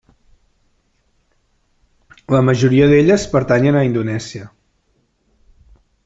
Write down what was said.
La majoria d'elles pertanyen a Indonèsia.